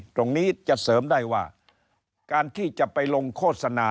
ตรงนี้จะเสริมได้ว่าการที่จะไปลงโฆษณา